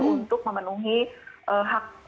untuk memenuhi hak